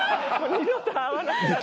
「二度と会わなくなった」